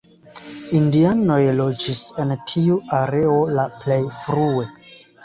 Indianoj loĝis en tiu areo la plej frue.